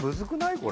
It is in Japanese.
これ。